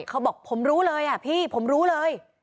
เขาบอกผมรู้เลยอ่ะพี่ผมรู้เลย